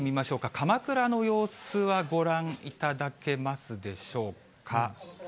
鎌倉の様子はご覧いただけますでしょうか。